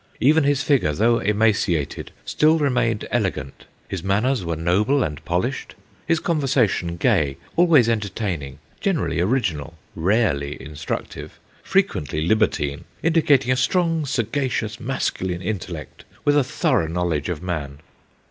Even his figure, though emaciated, still remained elegant ; his manners were noble and polished ; his conversation gay, always entertaining, generally original, rarely in structive, frequently libertine, indicating a strong, sagacious, masculine intellect, with a thorough knowledge of man.'